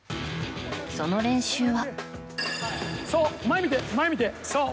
その練習は。